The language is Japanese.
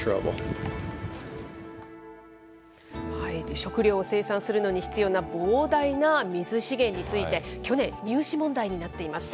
食料を生産するのに必要な膨大な水資源について、去年、入試問題になっていました。